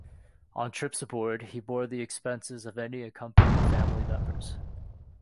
On trips abroad, he bore the expenses of any accompanying family members.